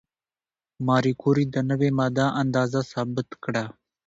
ماري کوري د نوې ماده اندازه ثبت کړه.